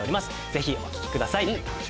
ぜひお聴きください。